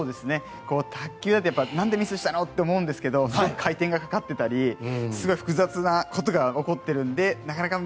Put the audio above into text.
卓球は、何でミスしたの？って思うんですけどすごく回転がかかっていたり複雑なことが起こっているので、なかなか。